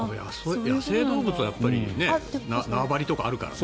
野生動物は縄張りとかあるからね。